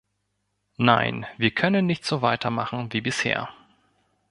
Nein, wir können nicht so weitermachen wie bisher.